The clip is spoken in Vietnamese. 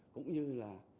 cũng như là